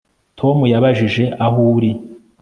Tom yabajije aho uri